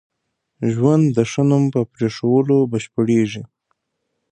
ژوند د ښه نوم په پرېښوولو بشپړېږي.